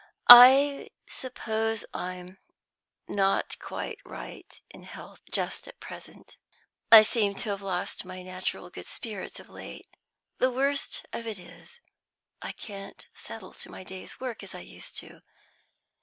"I suppose I'm not quite right in health just at present. I seem to have lost my natural good spirits of late; the worst of it is, I can't settle to my day's work as I used to.